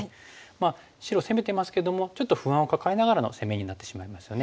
まあ白を攻めてますけどもちょっと不安を抱えながらの攻めになってしまいますよね。